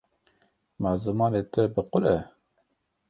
Ma zimanê te bi kul e.